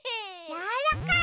やわらかい！